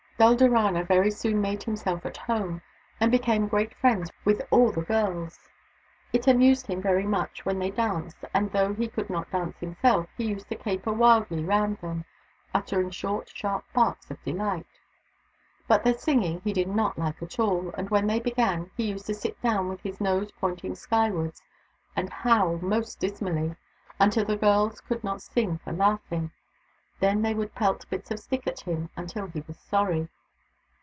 Dulderana very soon made himself at home, and became great friends with all the girls. It amused him very much when they danced, and though he could not dance himself, he used to caper wildly round them, uttering short, sharp barks of dehght. But their singing he did not Hke at all, and when they began, he used to sit down with his nose pointing skywards, and howl most dismally, until the girls could not sing for laughing. Then they would pelt bits of stick at him until he was sorry.